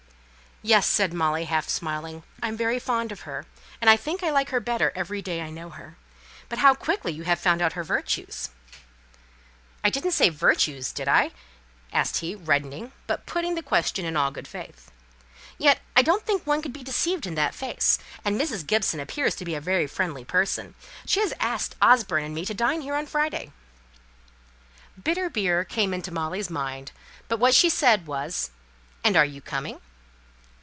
"Yes," said Molly, half smiling. "I'm very fond of her; and I think I like her better every day I know her. But how quickly you have found out her virtues!" "I didn't say 'virtues,' did I?" asked he, reddening, but putting the question in all good faith. "Yet I don't think one could be deceived in that face. And Mrs. Gibson appears to be a very friendly person, she has asked Osborne and me to dine here on Friday." "Bitter beer" came into Molly's mind; but what she said was, "And are you coming?"